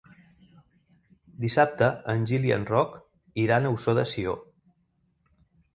Dissabte en Gil i en Roc iran a Ossó de Sió.